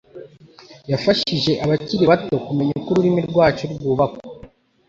yafashije abakiri bato kumenya uko ururimi rwacu rwubakwa